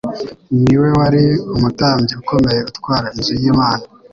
Ni We wari “umutambyi ukomeye utwara inzu y'Imana,”